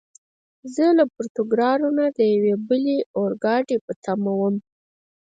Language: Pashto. زه له پورتوګرارو نه د یوې بلې اورګاډي په تمه ووم.